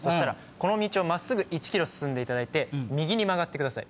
この道を真っすぐ１ｋｍ進んで右に曲がってください。